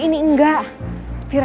mungkin mereka begitu